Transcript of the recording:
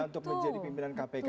untuk menjadi pimpinan kpk